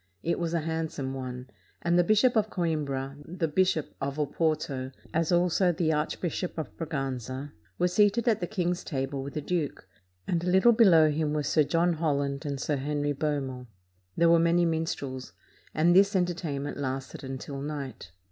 It was a handsome one; and the Bishop of Coimbra, the Bishop of Oporto, as also the Archbishop of Braganza, were seated at the king's table with the duke, and a little below him were Sir John Holland and Sir Henry Beaumont. There were many minstrels, and this enter tainment lasted until night.